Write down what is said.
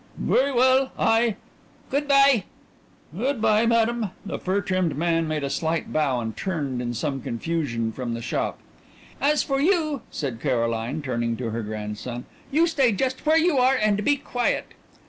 "Very well. I " "Good by." "Good by, Madame." The fur trimmed man made a slight bow and hurried in some confusion from the shop. "As for you," said Caroline, turning to her grandson, "you stay just where you are and be quiet."